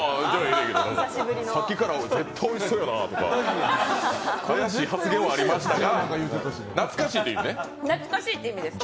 さっきから絶対おいしそうやなーとか怪しい発言はありましたが、懐かしいっていうね。